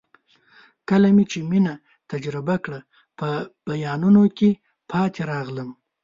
کله مې چې مینه تجربه کړه په بیانولو کې پاتې راغلم.